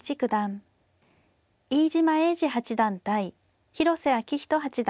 飯島栄治八段対広瀬章人八段。